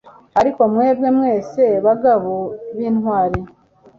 ariko mwebwe mwese, bagabo b'intwari